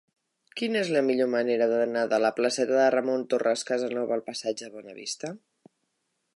Quina és la millor manera d'anar de la placeta de Ramon Torres Casanova al passatge de Bonavista?